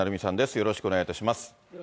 よろしくお願いします。